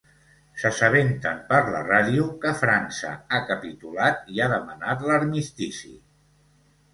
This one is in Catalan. S'assabenten per la ràdio que França ha capitulat i ha demanat l'armistici.